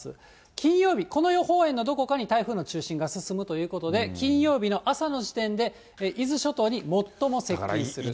金曜日、この予報円のどこかに台風の中心が進むということで、金曜日の朝の時点で、伊豆諸島に最も接近すると。